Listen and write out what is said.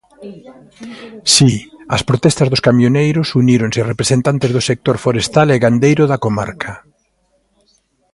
Si, ás protestas dos camioneiros uníronse representantes do sector forestal e gandeiro da comarca.